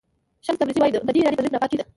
شمس تبریزي وایي بدې ارادې په زړه کې ناپاکي ده.